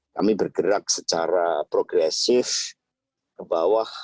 kami bergerak secara progresif ke bawah